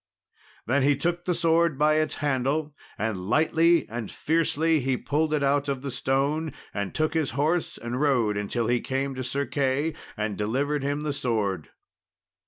Then he took the sword by its handle, and lightly and fiercely he pulled it out of the stone, and took his horse and rode until he came to Sir Key and delivered him the sword.